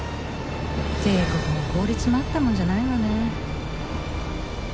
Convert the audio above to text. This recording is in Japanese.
定刻も効率もあったもんじゃないわね。